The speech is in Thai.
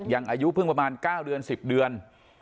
อายุเพิ่งประมาณ๙เดือน๑๐เดือน